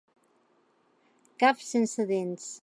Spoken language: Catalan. Cap sense dents.